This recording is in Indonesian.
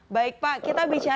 baik pak kita bicara